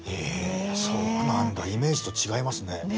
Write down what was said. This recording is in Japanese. そうなんだイメージと違いますね。